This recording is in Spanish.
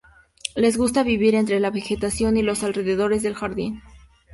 Les gusta vivir entre la vegetación y los alrededores del jardin.